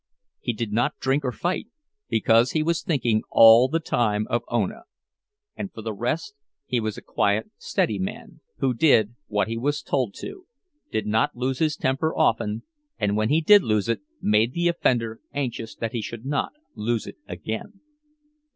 He did not drink or fight, because he was thinking all the time of Ona; and for the rest, he was a quiet, steady man, who did what he was told to, did not lose his temper often, and when he did lose it made the offender anxious that he should not lose it again.